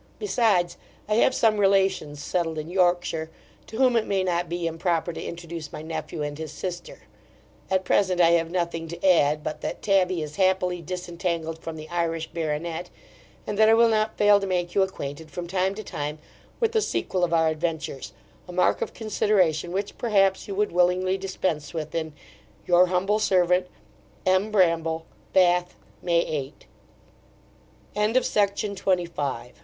Besides, I have some relations settled in Yorkshire, to whom it may not be improper to introduce my nephew and his sister At present, I have nothing to add, but that Tabby is happily disentangled from the Irish Baronet; and that I will not fail to make you acquainted, from time to time, with the sequel of our adventures: a mark of consideration, which, perhaps, you would willingly dispense with in Your humble servant, M. BRAMBLE BATH, May 8. To Sir WATKIN PHILLIPS, of Jesus c